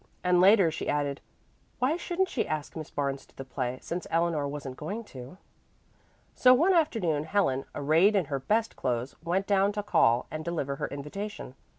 And later she added, Why shouldn't she ask Miss Barnes to the play, since Eleanor wasn't going to? So one afternoon Helen, arrayed in her best clothes, went down to call and deliver her invitation.